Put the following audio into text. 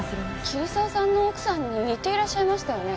桐沢さんの奥さんに似ていらっしゃいましたよね。